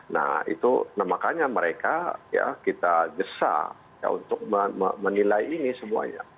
nah makanya mereka kita gesa untuk menilai ini semuanya